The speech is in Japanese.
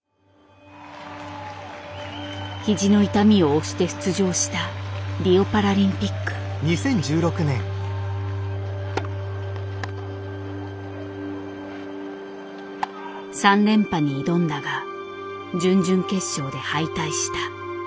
肘の痛みを押して出場した３連覇に挑んだが準々決勝で敗退した。